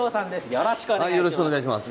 よろしくお願いします。